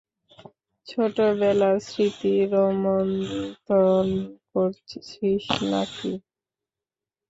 ছোটবেলার স্মৃতি রোমন্থন করছিস না-কি?